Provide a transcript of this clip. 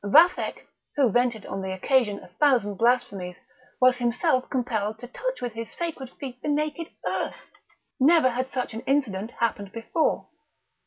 Vathek, who vented on the occasion a thousand blasphemies, was himself compelled to touch with his sacred feet the naked earth. Never had such an incident happened before.